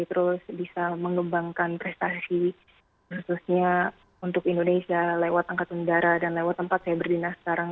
terus bisa mengembangkan prestasi khususnya untuk indonesia lewat angkatan udara dan lewat tempat saya berbina sekarang